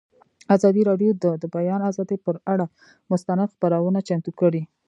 ازادي راډیو د د بیان آزادي پر اړه مستند خپرونه چمتو کړې.